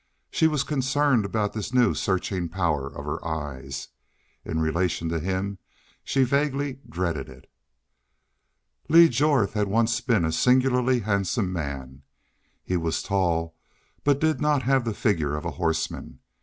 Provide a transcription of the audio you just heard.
She was concerned about this new searching power of her eyes. In relation to him she vaguely dreaded it. Lee Jorth had once been a singularly handsome man. He was tall, but did not have the figure of a horseman.